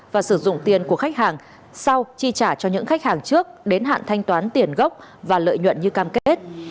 và sử dụng tiền của khách hàng sau chi trả cho những khách hàng trước đến hạn thanh toán tiền gốc và lợi nhuận như cam kết